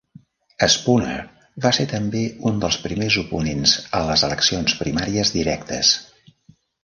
Spooner va ser també un dels primers oponents a les eleccions primàries directes.